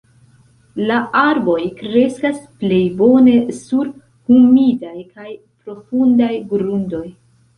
La arboj kreskas plej bone sur humidaj kaj profundaj grundoj.